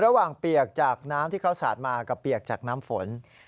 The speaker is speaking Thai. เปียกจากน้ำที่เขาสาดมากับเปียกจากน้ำฝน